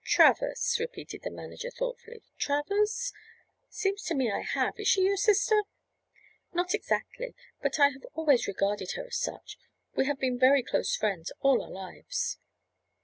"Travers," repeated the manager thoughtfully, "Travers? Seems to me I have. Is she your sister?" "Not exactly, but I have always regarded her as such—we have been very close friends all our lives."